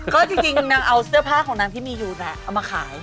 ก็จริงนางเอาเสื้อผ้าของนางที่มีอยู่แหละเอามาขาย